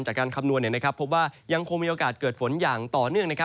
คำนวณพบว่ายังคงมีโอกาสเกิดฝนอย่างต่อเนื่อง